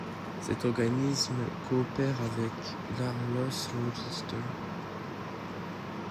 Cet organisme coopère avec l'Art Loss Register.